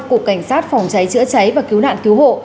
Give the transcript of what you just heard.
cục cảnh sát phòng cháy chữa cháy và cứu nạn cứu hộ